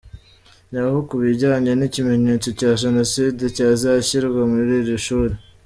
Naho ku bijyanye n’ikimenyetso cya Jenoside cyazashyirwa muri iri shuri,